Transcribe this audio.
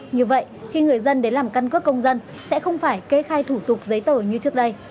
như vậy khi người dân đến làm căn cước công dân sẽ không phải kê khai thủ tục giấy tờ như trước đây